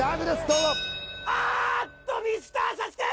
どうぞあっとミスターＳＡＳＵＫＥ